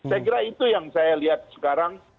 saya kira itu yang saya lihat sekarang